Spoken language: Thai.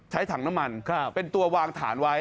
ใช้ถังน้ำมันเป็นตัววางฐานไว้